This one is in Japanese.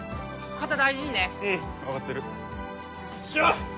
肩大事にねうん分かってる・よっしゃ！